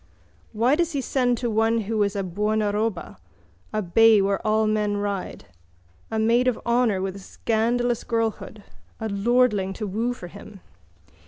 Why does he send to one who is a buonaroba, a bay where all men ride, a maid of honour with a scandalous girlhood, a lordling to woo for him?